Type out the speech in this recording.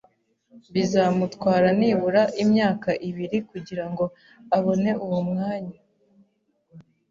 Bizamutwara nibura imyaka ibiri kugirango abone uwo mwanya